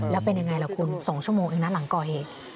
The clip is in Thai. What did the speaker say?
แล้วเป็นยังไงล่ะคุณ๒ชั่วโมงเองนะหลังก่อเหตุ